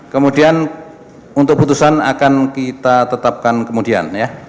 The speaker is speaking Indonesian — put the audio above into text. kemudian untuk putusan akan kita tetapkan kemudian ya